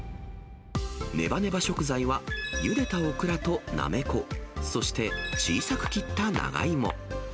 ねばねば食材はゆでたオクラとナメコ、そして小さく切った長芋。